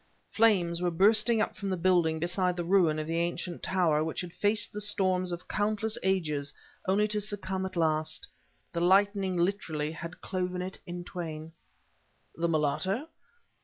Flames were bursting up from the building beside the ruin of the ancient tower which had faced the storms of countless ages only to succumb at last. The lightning literally had cloven it in twain. "The mulatto?..."